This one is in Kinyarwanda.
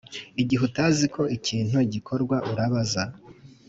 Igihe utazi uko ikintu gikorwa urabaza